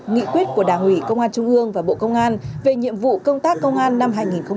nghị quyết của đảng ủy công an trung ương và bộ công an về nhiệm vụ công tác công an năm hai nghìn hai mươi ba